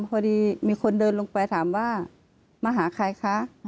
พอดีมีคนเดินลงไปถามว่ามาหาใครคะ